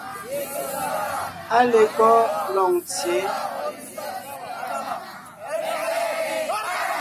Áa lekɔ́ Loŋtsyě?